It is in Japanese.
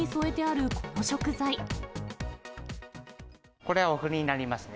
これはおふになりますね。